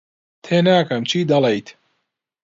تێناگەم چی دەڵێیت.